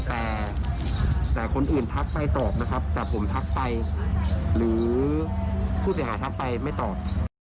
แต่แต่คนอื่นทักไปสอบนะครับแต่ผมทักไปหรือผู้เสียหายทักไปไม่ตอบ